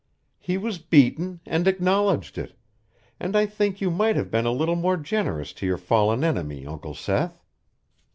He was beaten and acknowledged it, and I think you might have been a little more generous to your fallen enemy, Uncle Seth."